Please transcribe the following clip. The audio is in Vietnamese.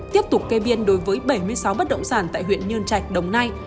tiếp tục kê biên đối với bảy mươi sáu bất động sản tại huyện nhơn trạch đồng nai